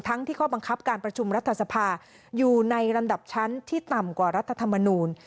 ที่ข้อบังคับการประชุมรัฐสภาอยู่ในลำดับชั้นที่ต่ำกว่ารัฐธรรมนูล